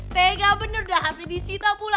tega bener dah harus disitu pula